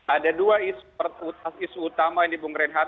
ada dua isu utama ini bung reinhard